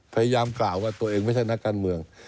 พยายามกล่าวว่าตัวเองไม่ใช่นักการเมือง